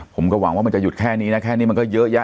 ผมก็หวังว่ามันจะหยุดแค่นี้นะแค่นี้มันก็เยอะแยะ